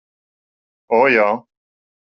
O, jā!